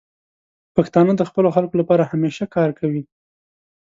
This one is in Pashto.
پښتانه د خپلو خلکو لپاره همیشه کار کوي.